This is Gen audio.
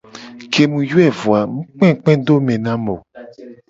Ke mu yoe vo a mu kpekpe do me na mu o.